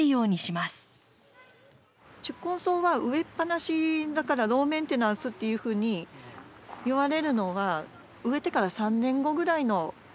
宿根草は植えっぱなしだからローメンテナンスっていうふうにいわれるのは植えてから３年後ぐらいの話です。